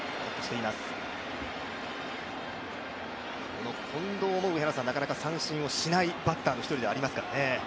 この近藤も、なかなか三振をしないバッターの一人ですね。